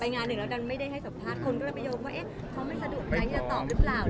ไปงานหนึ่งแล้วกันไม่ได้ให้สัมภาษณ์